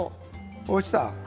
落ちた？